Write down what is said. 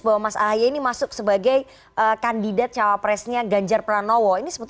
bahwa mas ahy ini masuk sebagai kandidat cawapresnya ganjar pranowo